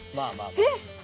えっ！